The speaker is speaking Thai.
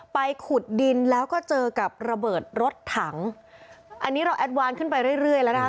ขุดดินแล้วก็เจอกับระเบิดรถถังอันนี้เราแอดวานขึ้นไปเรื่อยเรื่อยแล้วนะคะ